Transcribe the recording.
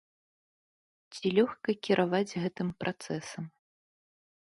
Ці лёгка кіраваць гэтым працэсам?